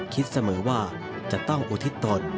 คิดเสมอว่าจะต้องอุทิศตน